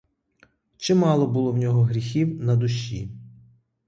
Чимало було в нього гріхів на душі.